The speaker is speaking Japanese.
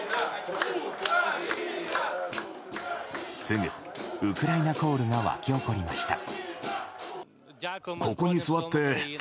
すぐウクライナコールが沸き起こりました。